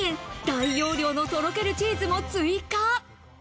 大容量のとろけるチーズも追加。